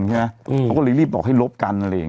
เขาก็รีบบอกให้ลบกัน